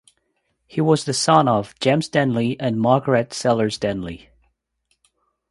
He was the son of James Denley and Margaret (Sellers) Denley.